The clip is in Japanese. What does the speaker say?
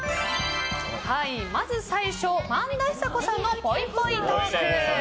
まず最初、萬田久子さんのぽいぽいトーク。